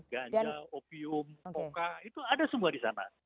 ganja opium coca itu ada semua di sana